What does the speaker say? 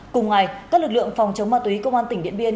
cùng ngày các lực lượng phòng chống ma túy công an tỉnh điện biên